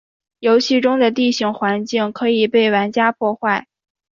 游戏中的地形环境可以被玩家破坏。